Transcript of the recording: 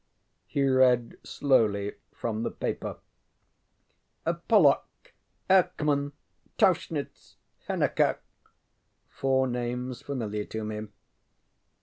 ŌĆØ He read slowly from the paper, ŌĆ£Pollock, Erckman, Tauchnitz, HennikerŌĆØ four names familiar to me.